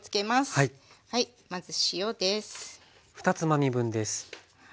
まず塩です。